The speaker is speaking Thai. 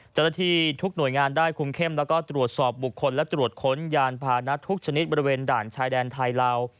เจ้าหน้าที่ทุกหน่วยงานได้คุมเข้มแล้วก็ตรวจสอบบุคคลและตรวจค้นยานพานะทุกชนิดบริเวณด่านชายแดนไทยลาว